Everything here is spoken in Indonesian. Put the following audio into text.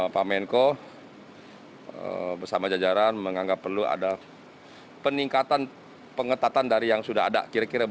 pak menko bersama jajaran menganggap perlu ada peningkatan pengetatan dari yang sudah ada kira kira